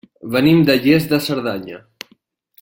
Venim de Lles de Cerdanya.